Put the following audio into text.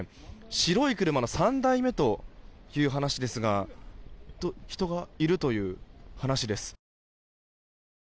白い車の３台目という話ですが人がいるという話です。